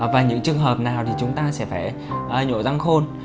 và những trường hợp nào thì chúng ta sẽ phải nhổ răng khôn